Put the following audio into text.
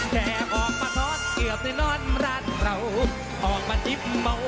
เคลือบไปนอนร้านเราออกมาหยิบเมา